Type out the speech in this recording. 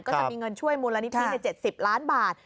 จะมีเงินช่วยมูลนิธิใน๗๐ล้านบาท